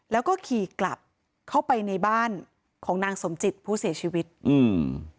แล้วก็ขี่กลับเข้าไปในบ้านของนางสมจิตผู้เสียชีวิตอืม